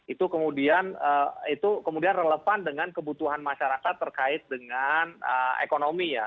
itu kemudian itu kemudian relevan dengan kebutuhan masyarakat terkait dengan ekonomi ya